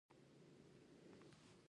د بولان پټي د افغانانو د معیشت سرچینه ده.